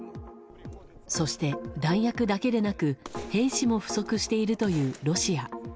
そして、弾薬だけでなく兵士も不足しているというロシア。